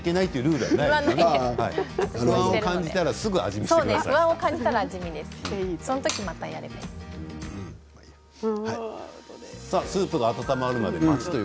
不安を感じたらすぐに味見をしてください。